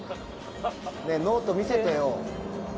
ノート見せてよ。